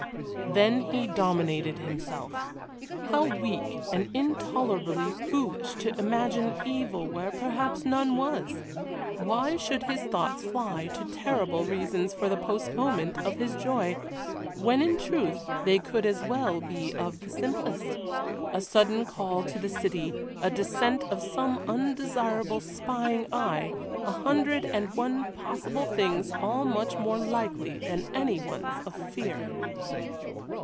Then he dominated himself. How weak and intolerably foolish to imagine evil where perhaps none was! Why should his thoughts fly to terrible reasons for the postponement of his joy, when in truth they could as well be of the simplest? A sudden call to the city a descent of some undesirable spying eye a hundred and one possible things, all much more likely than any ones of fear.